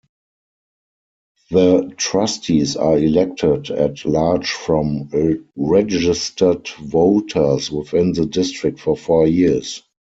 The trustees are elected at-large from registered voters within the district for four years.